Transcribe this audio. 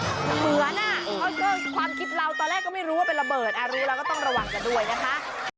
เหมือนความคิดเราตอนแรกก็ไม่รู้ว่าเป็นระเบิดรู้แล้วก็ต้องระวังกันด้วยนะคะ